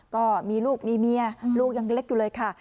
ก็มีลูกมีเมียลูกยังเล็กอยู่เลยค่ะ